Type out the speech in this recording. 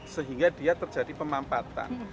sehingga dia terjadi pemampatan